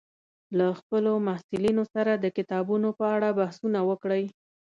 له خپلو محصلینو سره د کتابونو په اړه بحثونه وکړئ